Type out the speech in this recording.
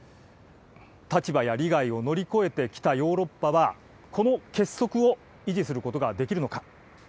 立場や利害を乗り越えてきたヨーロッパは、この結束を維持することができるのか。